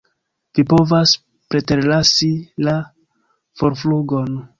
Vi povas preterlasi la forflugon.